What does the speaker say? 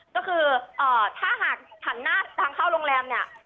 ก็คือถ้าหากหันหน้าทางเข้าโรงแรมเนี่ย